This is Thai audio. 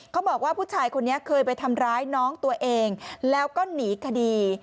เขาบอกว่าผู้ชายคนนี้เคยไปทำร้ายน้องตัวเองแล้วก็หนีคดี